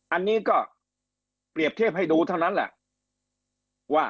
อันนี้ก็เปรียบเทียบให้ดูเท่านั้นแหละว่า